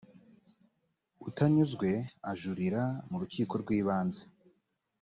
utanyuzwe ajurira mu rukiko rw’ ibanze.